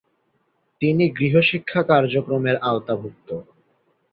তিনি গৃহ শিক্ষা কার্যক্রমের আওতাভুক্ত।